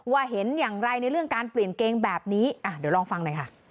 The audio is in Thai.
ว่าเห็นอย่างไรในเรื่องการเปลี่ยนเกรงแบบนี้เดี๋ยวลองฟัง